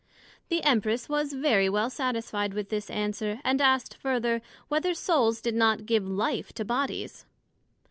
The Empress was very well satisfied with this answer, and asked further, Whether souls did not give life to bodies?